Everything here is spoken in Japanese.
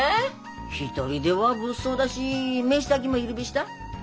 一人では物騒だし飯炊きも要るべした。